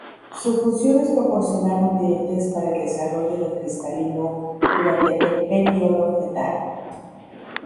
Su función es proporcionar nutrientes para el desarrollo del cristalino durante el período fetal.